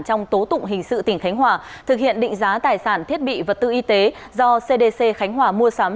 trong tố tụng hình sự tỉnh khánh hòa thực hiện định giá tài sản thiết bị vật tư y tế do cdc khánh hòa mua sắm